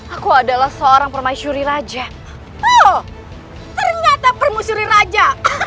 aku adalah seorang permaisuri raja